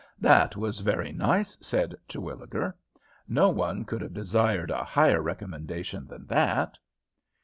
'" "That was very nice," said Terwilliger. "No one could have desired a higher recommendation than that."